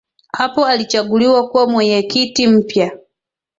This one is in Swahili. Hapo alichaguliwa kuwa mweyekiti mpya